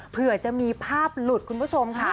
เผื่อจะมีภาพหลุดคุณผู้ชมค่ะ